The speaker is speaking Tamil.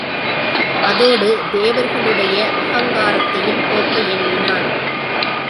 அதோடு தேவர்களுடைய அகங்காரத்தையும் போக்க எண்ணினான்.